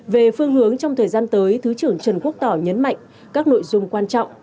về phương hướng trong thời gian tới thứ trưởng trần quốc tỏ nhấn mạnh các nội dung quan trọng